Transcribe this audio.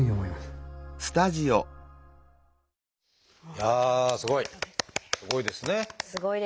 いやあすごい！